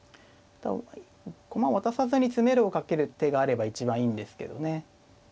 駒を渡さずに詰めろをかける手があれば一番いいんですけどね。